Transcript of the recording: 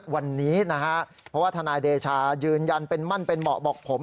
วันนี้นะฮะเพราะว่าทนายเดชายืนยันเป็นมั่นเป็นเหมาะบอกผม